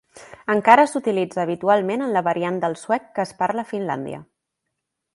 Encara s'utilitza habitualment en la variant del suec que es parla a Finlàndia.